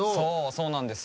そうなんです。